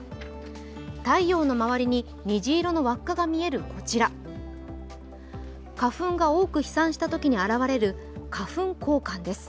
太陽の周りに虹色の輪っかが見えるこちら、花粉が多く飛散したときに現れる花粉光環です。